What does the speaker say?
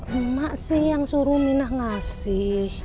emak sih yang suruh minah ngasih